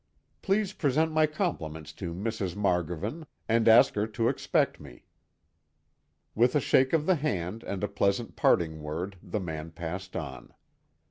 Please present my compliments to Mrs. Margovan and ask her to expect me." With a shake of the hand and a pleasant parting word the man passed on.